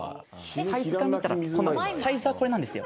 サイズ感見たらこんなサイズはこれなんですよ。